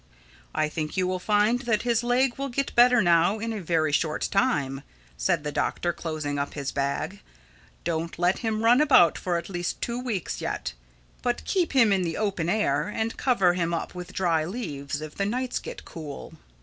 "I think you will find that his leg will get better now in a very short time," said the Doctor closing up his bag. "Don't let him run about for at least two weeks yet, but keep him in the open air and cover him up with dry leaves if the nights get cool.